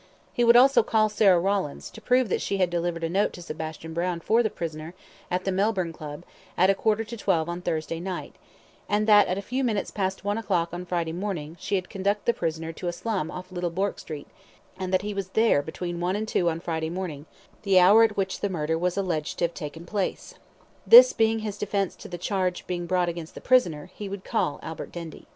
He would also call Sarah Rawlins, to prove that she had delivered a note to Sebastian Brown for the prisoner, at the Melbourne Club, at a quarter to twelve on Thursday Night, and that at a few minutes past one o'clock on Friday morning she had conducted the prisoner to a slum off Little Bourke Street, and that he was there between one and two on Friday morning, the hour at which the murder was alleged to have taken place. This being his defence to the charge brought against the prisoner, he would call Albert Dendy.